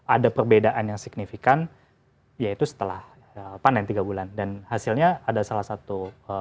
ada perbedaan yang signifikan yaitu setelah panen tiga bulan dan hasilnya ada salah satu